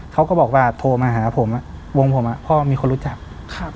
เขาก็บอกว่าโทรมาหาผมอ่ะวงผมอ่ะพ่อมีคนรู้จักครับ